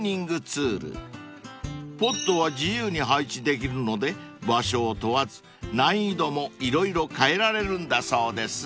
［ＰＯＤは自由に配置できるので場所を問わず難易度も色々変えられるんだそうです］